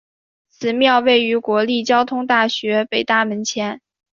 此庙位于国立交通大学北大门前。